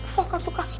sok kartu kaki